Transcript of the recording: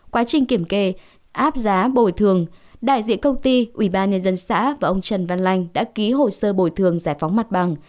quá trình kiểm kê áp giá bồi thường đại diện công ty ủy ban nhân dân xã và ông trần văn lanh đã ký hồ sơ bồi thường giải phóng mặt bằng